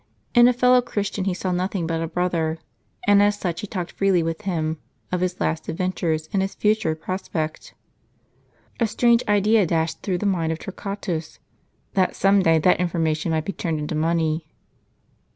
In a fellow Christian he saw nothing but a brother ; and as such he talked freely with him, of his * A whirlpool between Italy and Sicily. l^ast adventures and his future prospects. A strange idea dashed through the mind of Torquatus, that some day that information might be turned into money.